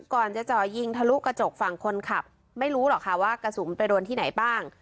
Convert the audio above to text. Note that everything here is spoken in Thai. ก่อนจะจ่อยิงทะลุกระจกฝั่งคนขับไม่รู้หรอกค่ะว่ากระสุนไปโดนที่ไหนบ้าง